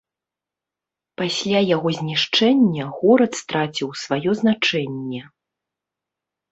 Пасля яго знішчэння горад страціў сваё значэнне.